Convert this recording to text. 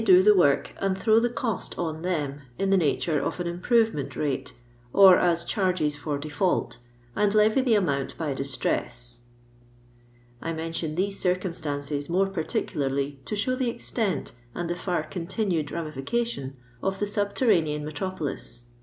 do the work and throw the cost on them in the nature of an improvement rate, or as charges for defiiult, and Ie\7 the amount by diBtress." I mention theac circnmBtances more particularly to show the extent, and the far continued ramitica tion, of the subterranean metropolis.